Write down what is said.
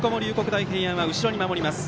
大平安は後ろに守ります。